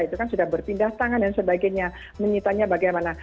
itu kan sudah berpindah tangan dan sebagainya menyitanya bagaimana